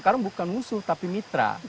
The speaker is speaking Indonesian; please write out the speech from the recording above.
sekarang bukan musuh tapi mitra